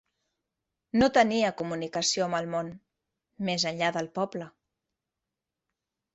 No tenia comunicació amb el món més enllà del poble.